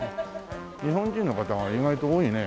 日本人の方が意外と多いね。